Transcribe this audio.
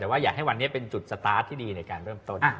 แต่อาจอยากให้วันนี้เป็นจุดวันเติมบักษณะที่ดีในการเริ่มต้น